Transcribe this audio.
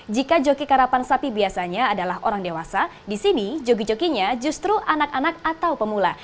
jika joki karapan sapi biasanya adalah orang dewasa di sini joki jokinya justru anak anak atau pemula